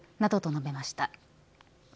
などと述べました。